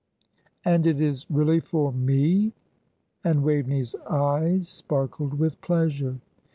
"And it is really for me!" and Waveney's eyes sparkled with pleasure.